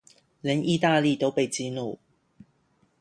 連義大利都被激怒